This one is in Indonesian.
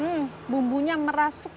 hmm bumbunya merasuk